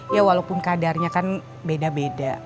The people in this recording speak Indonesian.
ya walaupun kadarnya kan beda beda